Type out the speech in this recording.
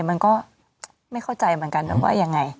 มันก็ไม่เข้าใจเหมือนกันนะว่ายังไง